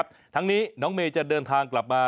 ก็อย่าลืมให้กำลังใจเมย์ในรายการต่อไปนะคะ